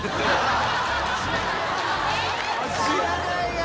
知らないや。